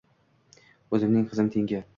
O‘zimning qizim tengi